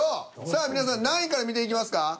さあ皆さん何位から見ていきますか？